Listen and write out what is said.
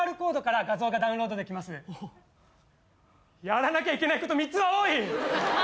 やらなきゃいけないこと３つは多い。